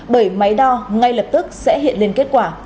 bởi máy đo ngay lập tức sẽ hiện lên kết quả